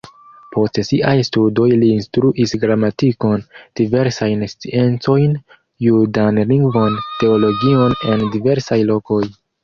Post siaj studoj li instruis gramatikon, diversajn sciencojn, judan lingvon, teologion en diversaj lokoj.